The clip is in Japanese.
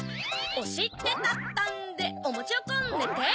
おしてたたんでおもちをこねて